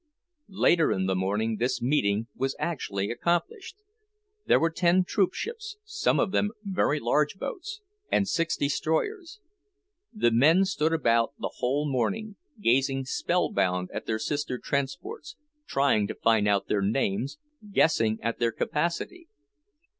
Later in the morning this meeting was actually accomplished. There were ten troop ships, some of them very large boats, and six destroyers. The men stood about the whole morning, gazing spellbound at their sister transports, trying to find out their names, guessing at their capacity.